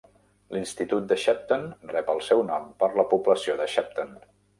L'institut de Shepton rep el seu nom per la població de Shepton.